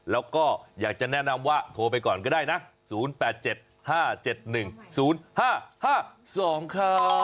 แล้วก็อยากจะแนะนำว่าโทรไปก่อนก็ได้นะ๐๘๗๕๗๑๐๕๕๒ครับ